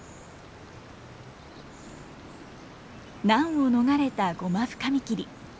難を逃れたゴマフカミキリ。